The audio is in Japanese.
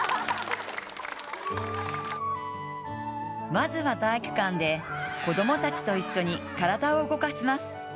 まずは体育館で子供たちと一緒に体を動かします。